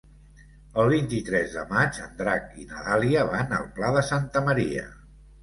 El vint-i-tres de maig en Drac i na Dàlia van al Pla de Santa Maria.